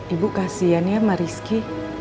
ibu kasian ya sama rizky